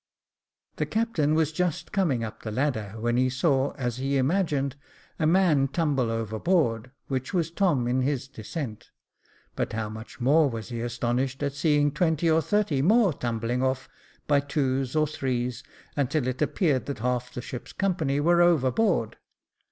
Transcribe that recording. The captain was just coming up the ladder, when he saw, as he imagined, a man tumble overboard, which was Tom in his descent; but how much more was he astonished at seeing twenty or thirty more tumbling off by twos or threes, until it appeared that half the ship's company were overboard.